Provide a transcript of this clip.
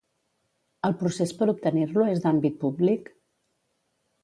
El procés per obtenir-lo és d'àmbit públic?